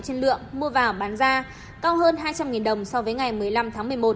trên lượng mua vào bán ra cao hơn hai trăm linh đồng so với ngày một mươi năm tháng một mươi một